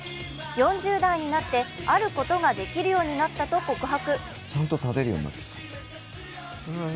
４０代になって、あることができるようになったと告白。